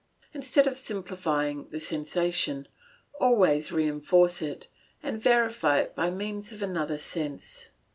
Instead of simplifying the sensation, always reinforce it and verify it by means of another sense.